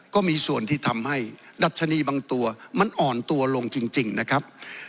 ก็มีส่วนที่ทำให้ดัชนีบางตัวมันอ่อนตัวลงจริงนะครับ